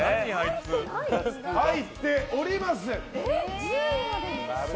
入っておりません。